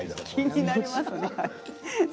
気になりますね。